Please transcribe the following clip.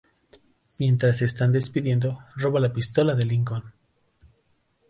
Mientras se están despidiendo, roba la pistola de Lincoln.